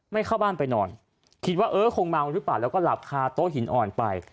เข้าบ้านไปนอนคิดว่าเออคงเมาหรือเปล่าแล้วก็หลับคาโต๊ะหินอ่อนไป